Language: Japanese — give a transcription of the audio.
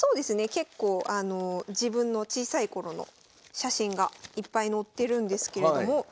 結構あの自分の小さい頃の写真がいっぱい載ってるんですけれども。